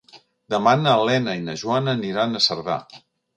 Demà na Lena i na Joana aniran a Cerdà.